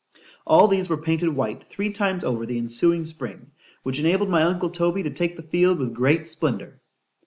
All these were painted white three times over the ensuing spring, which enabled my uncle Toby to take the field with great splendour.